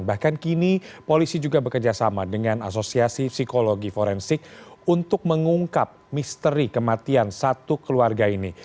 bahkan kini polisi juga bekerjasama dengan asosiasi psikologi forensik untuk mengungkap misteri kematian satu keluarga ini